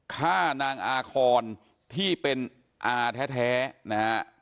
ฆ่านางอาคอนที่เป็นอาแท้นะฮะ